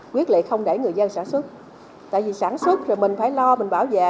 quyết liệt không để người dân sản xuất tại vì sản xuất rồi mình phải lo mình bảo vệ